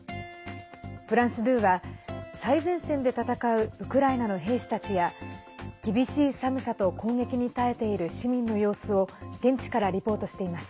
フランス２は、最前線で戦うウクライナの兵士たちや厳しい寒さと攻撃に耐えている市民の様子を現地からリポートしています。